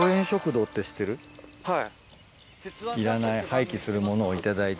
はい。